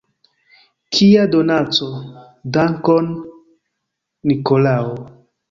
Kia donaco: dankon, Nikolao!